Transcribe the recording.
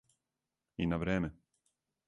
И на време.